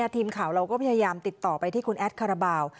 ทีมข่าวเราก็พยายามติดต่อไปที่คุณแอดคาราบาล